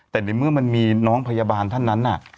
แต่ในเมื่อมันมีน้องพยาบาลท่านนั้น